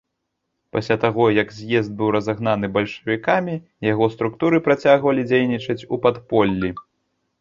Пасля таго, як з'езд быў разагнаны бальшавікамі, яго структуры працягвалі дзейнічаць у падполлі.